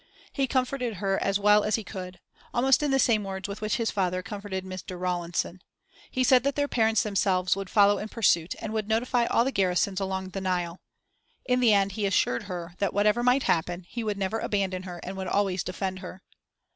He comforted her as well as he could almost in the same words with which his father comforted Mr. Rawlinson. He said that their parents themselves would follow in pursuit and would notify all the garrisons along the Nile. In the end he assured her that whatever might happen, he would never abandon her and would always defend her.